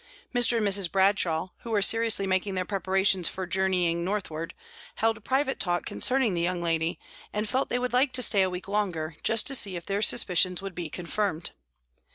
Mr. and Mrs. Bradshaw, who were seriously making their preparations for journeying northward, held private talk concerning the young lady, and felt they would like to stay a week longer, just to see if their suspicions would be confirmed.